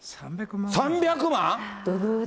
３００万？